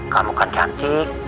kamu kan cantik